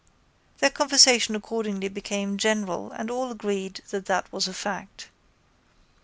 Their conversation accordingly became general and all agreed that that was a fact.